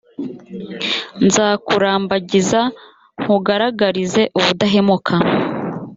nzakurambagiza nkugaragarize ubudahemuka